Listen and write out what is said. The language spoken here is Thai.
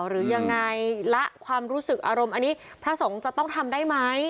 หรือยังไงละความรู้สึกอารมณ์อันนี้พระสงฆ์จะต้องทำได้ไหม